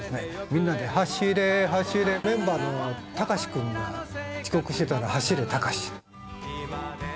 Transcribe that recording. みんなで走れ、走れって、メンバーのタカシくんが遅刻してたら、走れタカシ。